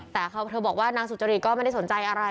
แต่เธอบอกว่านางสุจริตก็ไม่ได้สนใจอะไร